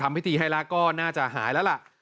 พิธีให้แล้วก็น่าจะหายแล้วล่ะ